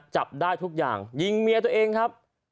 จับได้ทุกอย่างยิงเมียตัวเองครับ